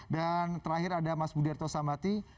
dan terakhir ada mas budiarto samati